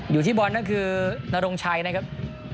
อยู่ที่บอลนั่นคือนรงชัยนะครับ